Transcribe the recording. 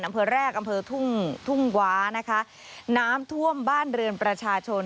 อำเภาะแรกอำเภาะทุ่งวาน้ำท่วมบ้านเรือนประชาชน